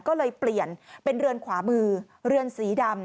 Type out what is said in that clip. ก็เลยเปลี่ยนเป็นเรือนขวามือเรือนสีดำ